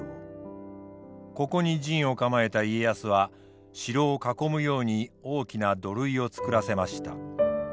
ここに陣を構えた家康は城を囲むように大きな土塁を作らせました。